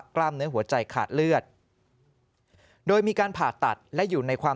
กล้ามเนื้อหัวใจขาดเลือดโดยมีการผ่าตัดและอยู่ในความ